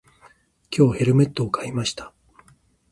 今日、ヘルメットを買いました。